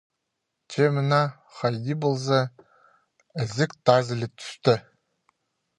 Че мына, хайди полза, ізік тазыли тӱсті.